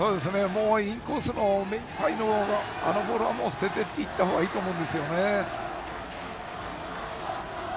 インコースの目いっぱいのあのボールは捨てていった方がいいと思うんですね。